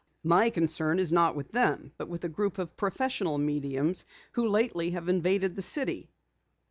"My concern is not with them, but with a group of professional mediums who lately have invaded the city.